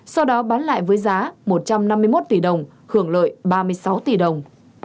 sau đó bán lại với giá một trăm năm mươi một tỷ đồng hưởng lợi ba mươi sáu tỷ đồng